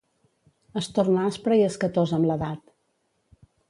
Es torna aspre i escatós amb l'edat.